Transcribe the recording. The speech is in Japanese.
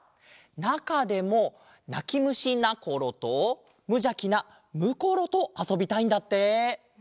なかでも「なきむしなころ」と「むじゃきなむころ」とあそびたいんだって。